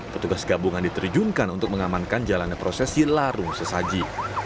petugas gabungan diterjunkan untuk mengamankan jalannya prosesi larung sesaji